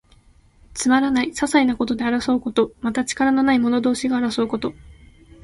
つまらない、ささいなことで争うこと。また、力のない者同士が争うこと。